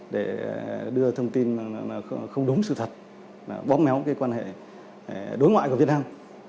để đưa thông tin không đúng sự thật bó méo quan hệ đối ngoại của việt nam